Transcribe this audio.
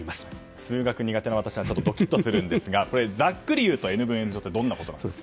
数学苦手は私はドキッとするんですがざっくりいうとどんなことなんですか？